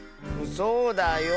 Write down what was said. そうだよ。